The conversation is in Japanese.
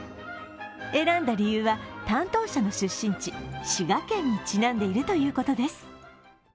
選んだ理由は、担当者の出身地、滋賀県にちなんでいるということです。